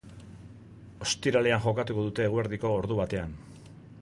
Ostiralean jokatuko dute eguerdiko ordu batean.